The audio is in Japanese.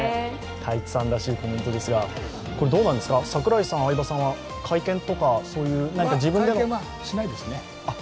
太一さんらしいコメントですが櫻井さん、相葉さんは会見とかそういういや、会見はしないですね。